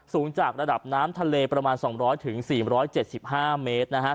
สูงจากระดับน้ำทะเลประมาณ๒๐๐๔๗๕เมตรนะครับ